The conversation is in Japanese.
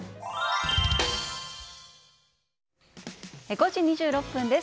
５時２６分です。